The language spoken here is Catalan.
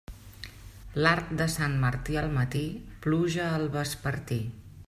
L'arc de Sant Martí al matí, pluja al vespertí.